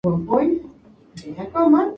La última pista, "Please Mr.